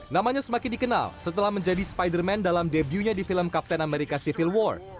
namanya semakin dikenal setelah menjadi spider man dalam debunya di film kapten america civil war